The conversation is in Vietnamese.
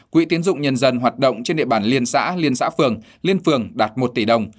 quỹ tiến dụng nhân dân hoạt động trên địa bàn liên xã liên xã phường liên phường đạt một tỷ đồng